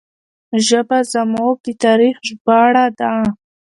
ژبه زموږ د تاریخ ژباړه ده.